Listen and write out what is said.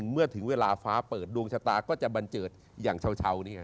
เมื่อถึงเวลาฟ้าเปิดดวงชะตาก็จะบันเจิดอย่างชาวนี่ไง